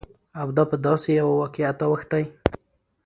او دا په داسې يوه واقعيت اوښتى،